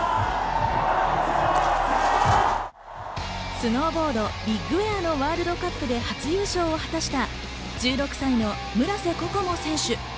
スノーボードビッグエアのワールドカップで初優勝を果たした１６歳の村瀬心椛選手。